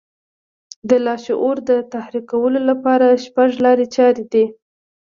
د لاشعور د تحريکولو لپاره شپږ لارې چارې دي.